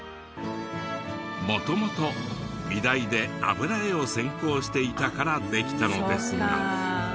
元々美大で油絵を専攻していたからできたのですが。